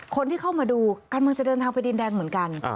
คนที่เข้ามาดูกำลังจะเดินทางไปดินแดงเหมือนกัน